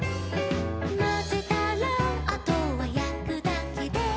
「まぜたらあとはやくだけで」